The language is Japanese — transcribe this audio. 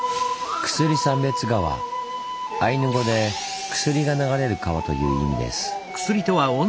アイヌ語で「薬が流れる川」という意味です。